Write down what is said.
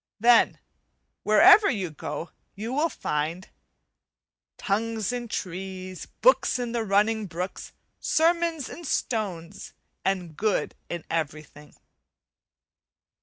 Then wherever you go you will find "Tongues in trees, books in the running brooks Sermons in stones, and good in everything."